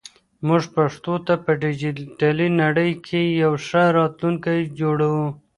موږ پښتو ته په ډیجیټل نړۍ کې یو ښه راتلونکی جوړوو.